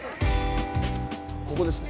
ここですね